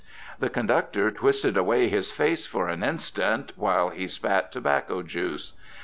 The conductor twisted away his face for an instant while he spat tobacco juice.